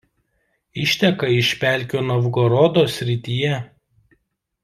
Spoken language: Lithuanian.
Išteka iš pelkių Novgorodo srityje.